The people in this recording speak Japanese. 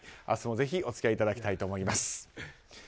明日もぜひお付き合いいただきたいと思います。